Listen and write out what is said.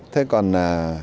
thế còn là